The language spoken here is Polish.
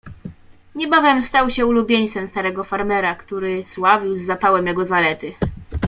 "Niebawem stał się ulubieńcem starego farmera, który sławił z zapałem jego zalety."